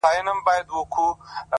ما په قرآن کي د چا ولوستی صفت شېرينې!